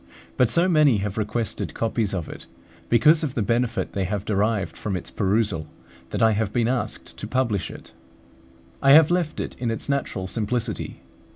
But so many have requested copies of it, because of the benefit they have derived from its perusal, that I have been asked to publish it. I have left it in its natural simplicity.